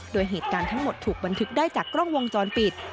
โดยเหตุการณ์ทั้งหมดถูกบันทึกได้จากกล้องวงจรปิด